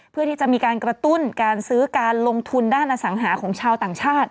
เพื่อที่จะมีการกระตุ้นการซื้อการลงทุนด้านอสังหาของชาวต่างชาติ